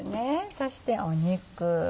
そして肉。